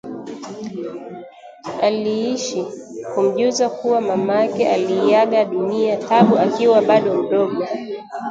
aliishi kumjuza kuwa mamake aliiaga dunia Taabu akiwa bado mdogo